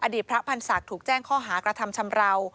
พระพันธ์ศักดิ์ถูกแจ้งข้อหากระทำชำราว